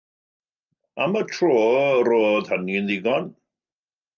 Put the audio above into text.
Am y tro, roedd hynny'n ddigon.